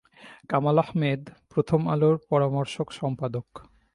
কামাল আহমেদ প্রথম আলোর পরামর্শক সম্পাদক।